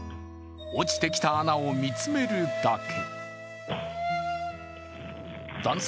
落ちてきた穴を見つめるだけ。